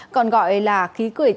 còn gọi là khí cưỡi trang